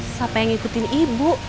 siapa yang ngikutin ibu